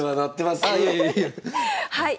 はい。